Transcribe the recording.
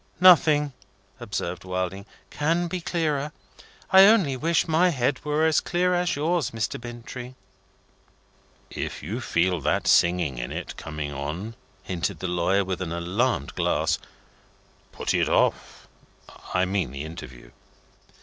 "Nothing," observed Wilding, "can be clearer. I only wish my head were as clear as yours, Mr. Bintrey." "If you feel that singing in it coming on," hinted the lawyer, with an alarmed glance, "put it off. I mean the interview."